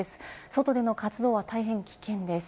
外での活動は大変危険です。